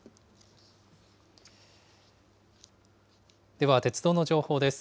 では、鉄道の情報です。